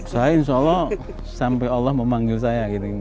saya insya allah sampai allah memanggil saya